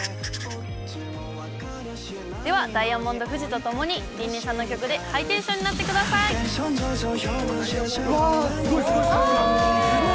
では、ダイヤモンド富士とともに、リン音さんの曲でハイテンションになってください。